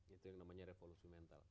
itu yang namanya revolusi mental